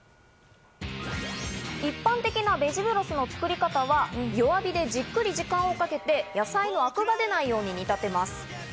一般的なベジブロスの作り方は、弱火でじっくり時間をかけて野菜のアクが出ないよう、煮立てます。